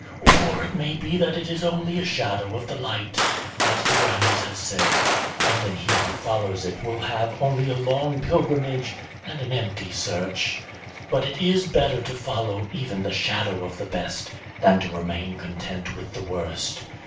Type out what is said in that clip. Or it may be that it is only a shadow of the light, as Tigranes has said, and then he who follows it will have only a long pilgrimage and an empty search. But it is better to follow even the shadow of the best than to remain content with the worst.